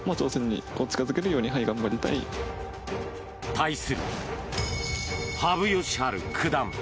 対する、羽生善治九段。